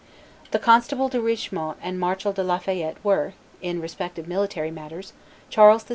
The constable De Richemont and marshal De la Fayette were, in respect of military matters, Charles VII.